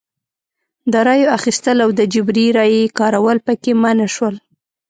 د رایو اخیستل او د جبري رایې کارول پکې منع شول.